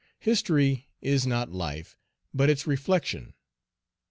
History is not life, but its reflection.